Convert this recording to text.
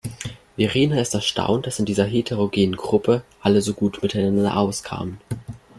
Verena ist erstaunt, dass in dieser heterogenen Gruppe alle so gut miteinander auskamen.